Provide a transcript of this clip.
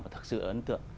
mà thật sự ấn tượng